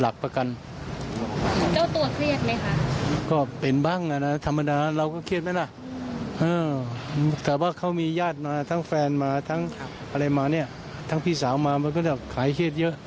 เขามีญาติมาทั้งแฟนมาทั้งพี่สาวมามันก็จะขายเครียดเยอะ